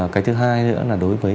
cái thứ hai nữa là đối với